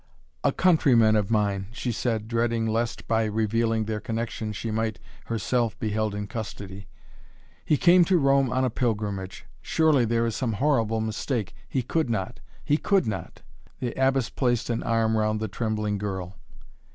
"A countryman of mine," she said, dreading lest by revealing their connection she might herself be held in custody. "He came to Rome on a pilgrimage. Surely there is some horrible mistake! He could not! He could not!" The Abbess placed an arm round the trembling girl.